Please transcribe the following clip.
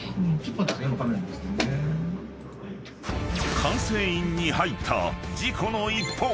［管制員に入った事故の一報］